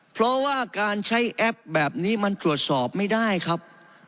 เพราะว่าการใช้แอปแบบนี้มันตรวจสอบไม่ได้ครับ